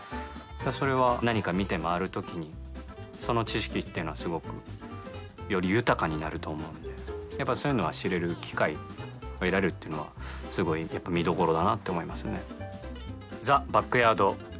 それは、何か見て回るときにその知識っていうのは、すごくより豊かになると思うのでやっぱそういうのは知れる機会が得られるっていうのは、すごい見どころだなって思いますね。